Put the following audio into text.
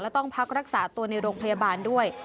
ต้องพักรักษาตัวในโรงพยาบาลด้วย